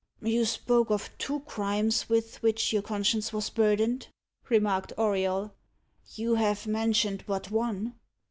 "You spoke of two crimes with which your conscience was burdened," remarked Auriol. "You have mentioned but one."